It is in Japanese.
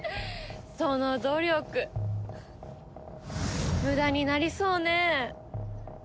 その努力無駄になりそうね。